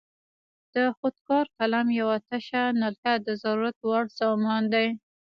د خود کار قلم یوه تشه نلکه د ضرورت وړ سامان دی.